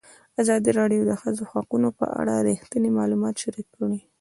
ازادي راډیو د د ښځو حقونه په اړه رښتیني معلومات شریک کړي.